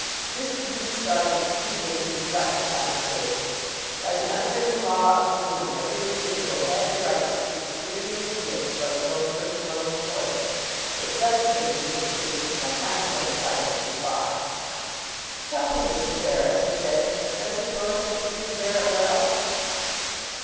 Mr. Beach thought it expedient to deflect the conversation. By the unwritten law of the room every individual had the right to speak as freely as he wished about his own personal employer; but Judson, in his opinion, sometimes went a trifle too far. "Tell me, Mr. Ferris," he said, "does his lordship seem to bear it well?"